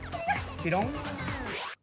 ピロン。